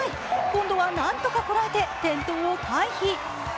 今度は何とかこらえて転倒を回避。